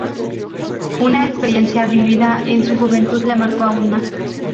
Una experiencia vivida en su juventud le marcó aún más.